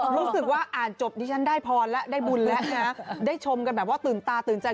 รู้สึกว่าอ่านจบดิฉันได้พรแล้วได้บุญแล้วนะได้ชมกันแบบว่าตื่นตาตื่นใจ